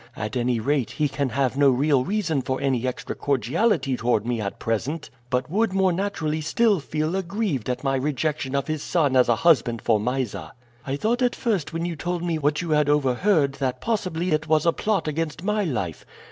At any rate, he can have no real reason for any extra cordiality toward me at present, but would more naturally still feel aggrieved at my rejection of his son as a husband for Mysa. I thought at first when you told me what you had overheard that possibly it was a plot against my life.